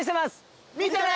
見てね。